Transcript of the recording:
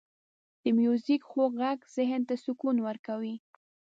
• د میوزیک خوږ ږغ ذهن ته سکون ورکوي.